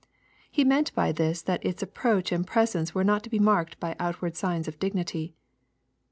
He meant by this that its approach and presence were not to be marked by outward signs of dignity.